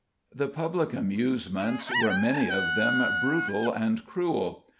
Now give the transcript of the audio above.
The public amusements were many of them brutal and cruel.